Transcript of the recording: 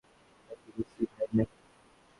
এটা কি বেশিই ভারি না কি?